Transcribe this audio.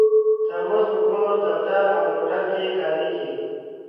ترموز په کور، دفتر او موټر کې کارېږي.